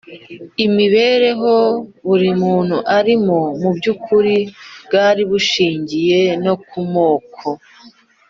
imibereho buri muntu arimo, mu by’ukuri bwari bushingiye no ku moko.